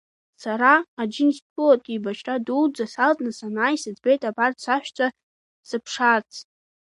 Сара Аџьынџьтәылатә еибашьра Дуӡӡа салҵны санаа исыӡбеит абарҭ саҳәшьцәа сыԥшаарц.